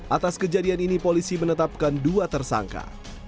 atas kejadian ini polisi menetapkan dua tersangka